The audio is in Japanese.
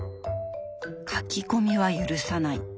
「書き込みは許さない」。